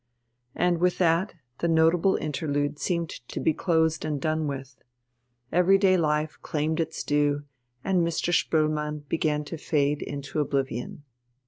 And with that the notable interlude seemed to be closed and done with. Everyday life claimed its due, and Mr. Spoelmann began to fade into oblivion.